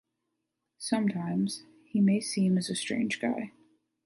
Sometimes, he may seem as strange guy.